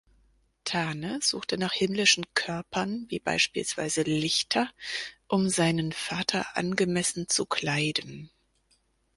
Tane suchte nach himmlischen Körpern wie beispielsweise Lichter, um seinen Vater angemessen zu kleiden.